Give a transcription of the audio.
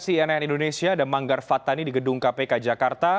tni indonesia dan manggar fatani di gedung kpk jakarta